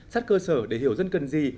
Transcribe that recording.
sát cơ sở để hiểu dân cần gì